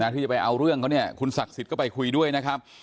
ที่จะไปเอาเรื่องเขาเนี่ยคุณศักดิ์สิทธิ์ก็ไปคุยด้วยนะครับ